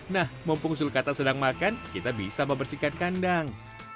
nah mumpung sulkata sedang makan kita bisa membersihkan kandang